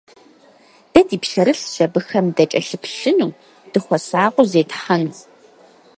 Дэ ди пщэрылъщ абыхэм дакӀэлъыплъыну, дыхуэсакъыу зетхьэну.